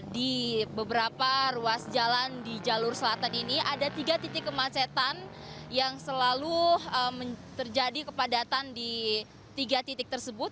di beberapa ruas jalan di jalur selatan ini ada tiga titik kemacetan yang selalu terjadi kepadatan di tiga titik tersebut